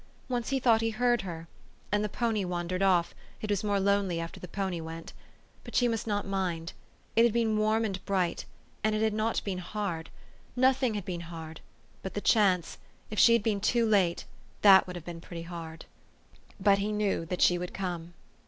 Once he thought he heard her. And the pony wandered off it was more lonely after the pony went. But she must not mind. It had been warm and bright ; and it had not been hard. Nothing had been hard but the chance if she had been too late, that would have been pretty hard. But he knew that she would come.